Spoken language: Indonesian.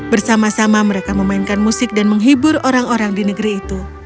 bersama sama mereka memainkan musik dan menghibur orang orang di negeri itu